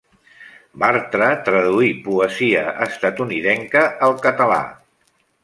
Bartra traduí poesia estatunidenca al català.